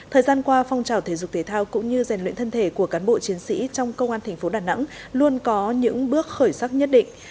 thời gian qua phong trào thể dục thể thao cũng như rèn luyện thân thể của cán bộ chiến sĩ trong công an thành phố đà nẵng luôn có những bước khởi sắc nhất định